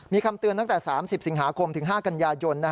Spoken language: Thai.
มีคำเตือนตั้งแต่๓๐สิงหาคมถึง๕กันยายน